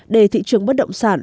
để thị trường bất động sản